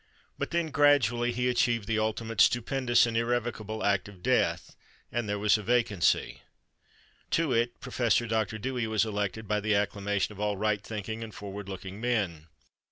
But then, gradually, he achieved the ultimate, stupendous and irrevocable act of death, and there was a vacancy. To it Prof. Dr. Dewey was elected by the acclamation of all right thinking and forward looking men.